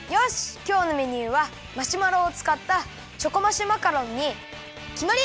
きょうのメニューはマシュマロをつかったチョコマシュマカロンにきまり！